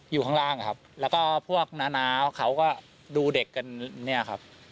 อยู่ข้างล่างครับแล้วก็พวกน้าน้าเขาก็ดูเด็กกันเนี่ยครับ